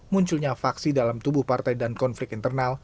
munculnya faksi dalam tubuh partai dan konflik internal